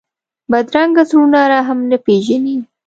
بدرنګه زړونه رحم نه پېژني